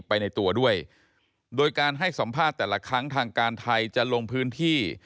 ไปในตัวด้วยโดยการให้สัมภาษณ์แต่ละครั้งทางการไทยจะลงพื้นที่